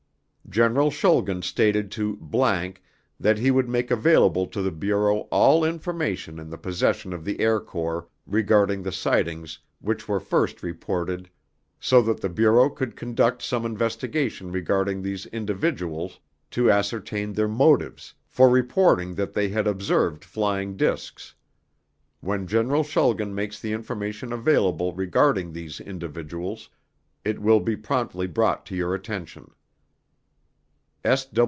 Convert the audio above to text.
General Schulgen stated to ____ that he would make available to the Bureau all information in the possession of the Air Corps regarding the sightings which were first reported so that the Bureau could conduct some investigation regarding these individuals to ascertain their motives for reporting that they had observed flying discs. When General Schulgen makes the information available regarding these individuals, it will be promptly brought to your attention.